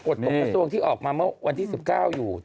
ทุกกระทรวงที่ออกมาเมื่อวันที่๑๙อยู่